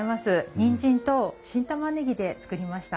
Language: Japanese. にんじんと新玉ねぎで作りました。